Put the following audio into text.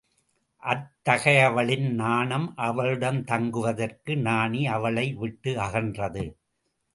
அத்தகையவளின் நாணம் அவளிடம் தங்குவதற்கு நாணி அவளை விட்டு அகன்றது.